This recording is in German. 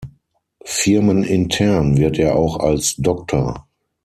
Firmenintern wird er auch als „Dr.